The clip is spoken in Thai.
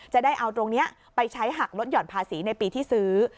จะได้เอาตรงนี้ไปใช้หักลดหย่อนภาษีในปีที่ซื้อ